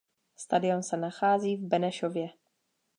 Stadion se nachází v Benešově.